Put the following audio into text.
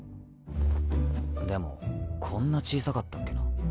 でもこんな小さかったっけな？